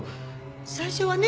最初はね